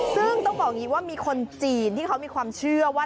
ซึ่งต้องบอกอย่างนี้ว่ามีคนจีนที่เขามีความเชื่อว่า